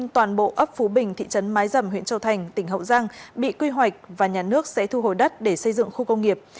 toàn bộ ấp phú bình thị trấn mái dầm huyện châu thành tỉnh hậu giang bị quy hoạch và nhà nước sẽ thu hồi đất để xây dựng khu công nghiệp